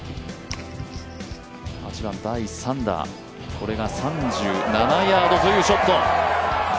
８番、第３打、これが３７ヤードというショット。